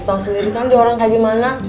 tahu sendiri kan dia orang kayak gimana